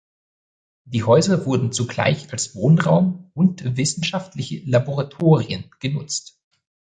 Die Häuser wurden zugleich als Wohnraum und wissenschaftliche Laboratorien genutzt.